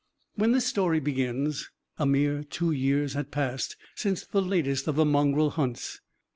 When this story begins, a mere two years had passed since the latest of the mongrel hunts.